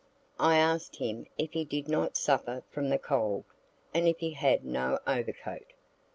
I ask'd him if he did not suffer from the cold, and if he had no overcoat.